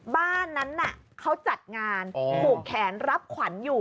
บ้านนั้นเขาจัดงานผูกแขนรับขวัญอยู่